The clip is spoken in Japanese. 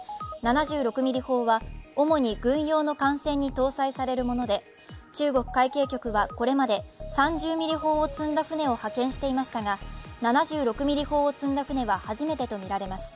７６ミリ砲は、主に軍用の艦船に搭載されるもので中国海警局はこれまで３０ミリ砲を積んだ船を派遣していましたが７６ミリ砲を積んだ船は初めてとみられます。